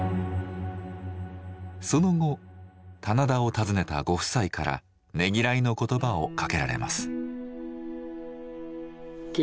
その後棚田を訪ねたご夫妻からねぎらいの言葉をかけられます。